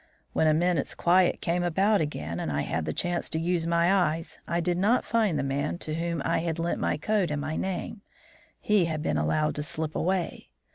When a minute's quiet came about again, and I had the chance to use my eyes, I did not find the man to whom I had lent my coat and my name. He had been allowed to slip away.